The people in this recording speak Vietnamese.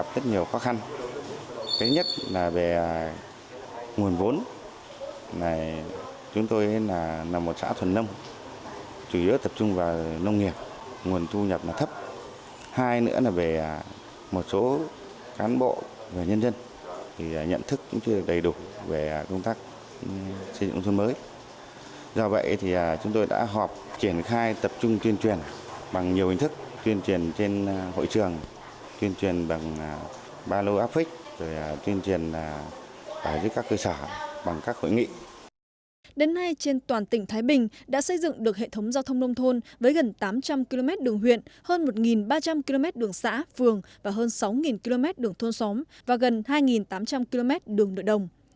đến nay trên toàn tỉnh thái bình đã xây dựng được hệ thống giao thông nông thôn với gần tám trăm linh km đường huyện hơn một ba trăm linh km đường xã phường và hơn sáu km đường thôn xóm và gần hai tám trăm linh km đường nội đồng